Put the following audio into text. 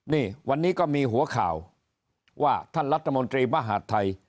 นี่วันนี้ก็มีหัวข่าวว่าท่านรัฐมนตรีมหาดไทย